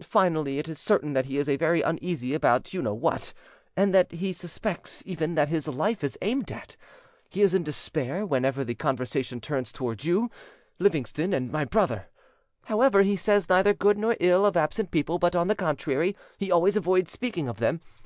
Finally, it is certain that he is very uneasy about you know what, and that he even suspects that his life is aimed at. He is in despair whenever the conversation turns on you, Livingston, and my brother. However, he says neither good nor ill of absent people; but, on the contrary, he always avoids speaking of them.